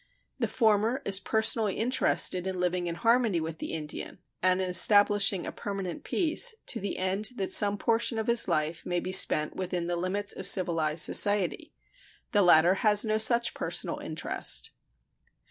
The former is personally interested in living in harmony with the Indian and in establishing a permanent peace, to the end that some portion of his life may be spent within the limits of civilized society; the latter has no such personal interest.